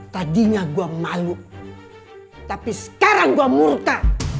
tadinya gue malu tapi sekarang gue murta